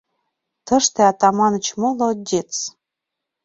— Тыште Атаманыч молодец!